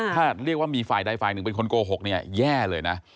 ถ้าเรียกว่ามีไฟล์ใดไฟล์นึงเป็นคนโกหกแย่เลยนะ